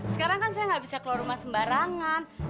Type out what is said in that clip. sekarang kan saya nggak bisa keluar rumah sembarangan